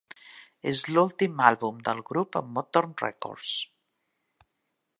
És l'últim àlbum del grup amb Motown Records.